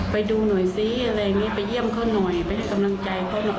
ไปดูหน่อยซิอะไรอย่างนี้ไปเยี่ยมเขาหน่อยไปให้กำลังใจเขาหน่อย